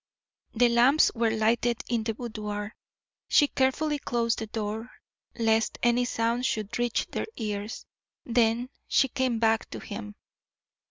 The lamps were lighted in the boudoir. She carefully closed the door lest any sound should reach their ears; then she came back to him.